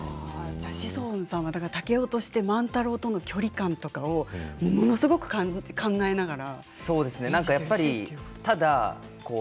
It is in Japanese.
志尊さんは竹雄として万太郎との距離感をものすごく考えながら。